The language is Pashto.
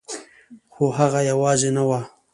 خو هغه یوازې نه وه